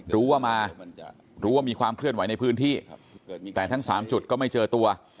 รู้ว่ามารู้ว่ามีความเคลื่อนไหวในพื้นที่แต่ทั้งสามจุดก็ไม่เจอตัว